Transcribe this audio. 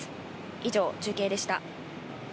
以上、中継でした。